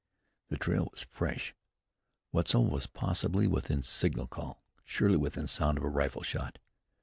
The trail was fresh. Wetzel was possibly within signal call; surely within sound of a rifle shot.